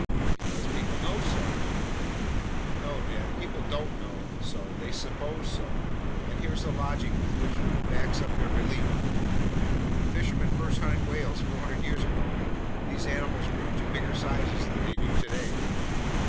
"Because people know so." "No, Ned! People don't know so, they suppose so, and here's the logic with which they back up their beliefs. When fishermen first hunted whales 400 years ago, these animals grew to bigger sizes than they do today.